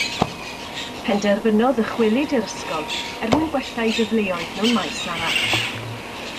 Penderfynodd ddychwelyd i'r ysgol er mwyn gwella ei gyfleoedd mewn maes arall.